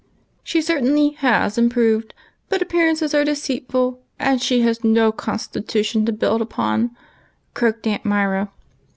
"She certainly has improved, but appearances are WHICH 'i 285 deceitful, and she had no constitution to build upon," croaked Aunt Myra.